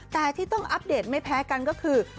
แต่ที่ต้องอัปเดตไม่แพ้กันก็คือ